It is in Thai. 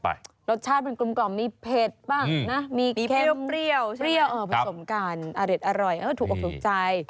อริดอร่อยก็ถูกอภิกษ์ใจ